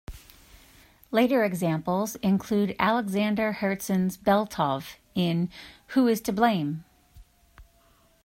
Later examples include Alexander Herzen's Beltov in Who is to Blame?